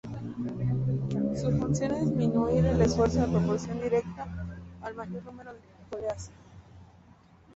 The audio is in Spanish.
Su función es disminuir el esfuerzo en proporción directa al mayor número de poleas.